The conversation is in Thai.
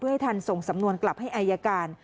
ให้ทันส่งสำนวนกลับให้อายการ